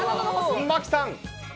牧さん。